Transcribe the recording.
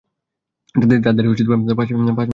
তাঁদের পাঁচ মেয়ে ও এক ছেলে।